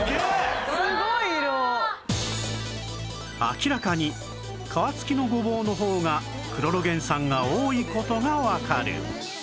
明らかに皮付きのごぼうの方がクロロゲン酸が多い事がわかる